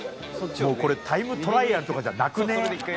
もうこれタイムトライアルとかじゃなくね？